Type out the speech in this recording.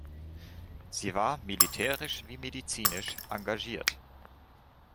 Sie war militärisch wie medizinisch engagiert.